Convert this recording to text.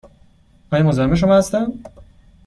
آیا مزاحم شما هستم؟